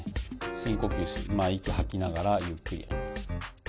深呼吸息を吐きながらゆっくりやります。